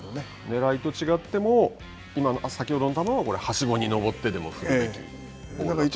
ねらいと違っても先ほどの球は、はしごに上ってでも振るべき球だと。